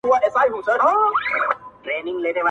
بیرته سم پر لار روان سو ګړندی سو -